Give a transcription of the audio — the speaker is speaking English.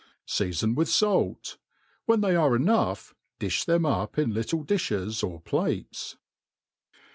Sea Ton with fait. When they are enough, ditfh them up in little tdiflies or plates.